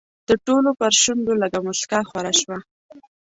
د ټولو پر شونډو لږه موسکا خوره شوه.